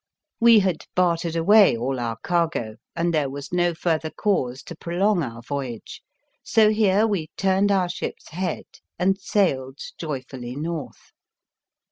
We had bartered away all our cargo and there was no further cause to prolong our voyage, so here we turned our ship's head and sailed joyfully North.